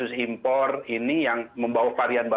yang kasus impor ini yang membuat kita merasa tidak bisa